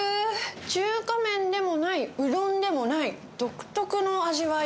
中華麺でもない、うどんでもない、独特の味わい。